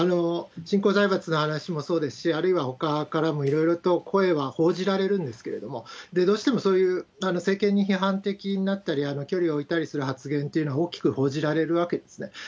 新興財閥の話もそうですし、あるいはほかからもいろいろと声は報じられるんですけれども、どうしてもそういう政権に批判的になったり、距離を置いたりする発言というのは大きく報じられるわけですね。